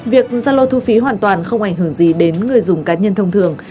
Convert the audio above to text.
việc zalo thu phí hoàn toàn không ảnh hưởng gì đến người dùng cá nhân thông thường